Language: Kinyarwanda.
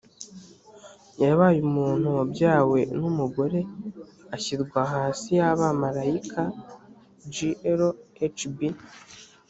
yabaye umuntu wabyawe n umugore ashyirwa hasi y abamarayika gl hb